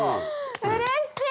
うれしい！